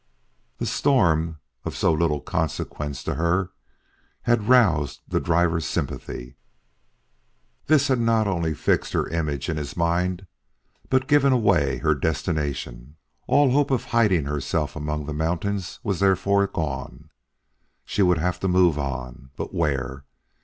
The storm, of so little consequence to her, had roused the driver's sympathy. This had not only fixed her image in his mind but given away her destination. All hope of hiding herself among the mountains was therefore gone. She would have to move on; but where?